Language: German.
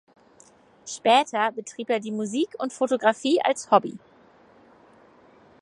Später betrieb er die Musik und Fotografie als Hobby.